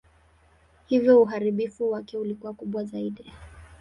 Hivyo uharibifu wake ulikuwa kubwa zaidi.